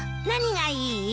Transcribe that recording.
何がいい？